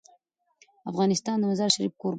افغانستان د مزارشریف کوربه دی.